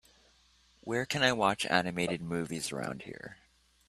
where can i watch animated movies around here